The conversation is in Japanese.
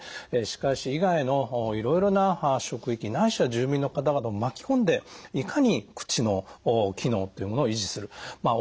歯科医師以外のいろいろな職域ないしは住民の方々も巻き込んでいかに口の機能っていうものを維持するまあ